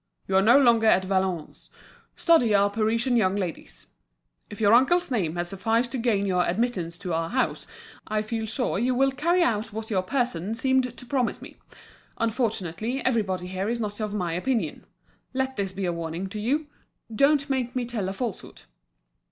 You are no longer at Valognes; study our Parisian young ladies. If your uncle's name has sufficed to gain your admittance to our house, I feel sure you will carry out what your person seemed to promise to me. Unfortunately, everybody here is not of my opinion. Let this be a warning to you. Don't make me tell a falsehood."